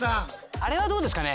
あれはどうですかね？